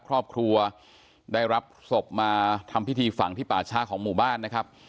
ครอบครัวได้รับศพมาทำพิธีฝังที่ป่าช้าของหมู่บ้านนะครับ